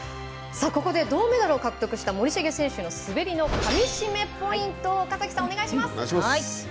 ここで銅メダルを獲得した森重選手の滑りのかみしめポイントを岡崎さん、お願いします。